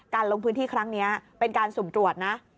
ลงพื้นที่ครั้งนี้เป็นการสุ่มตรวจนะ